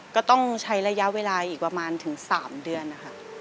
ก็ต้องใช้ระยะเวลาอีกประมาณถึง๓เดือนนะคะ